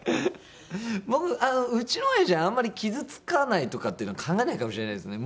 僕うちのおやじはあんまり傷つかないとかっていうの考えないかもしれないですね。